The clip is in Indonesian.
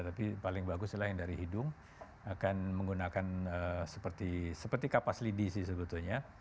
tapi paling bagus adalah yang dari hidung akan menggunakan seperti kapas lidi sih sebetulnya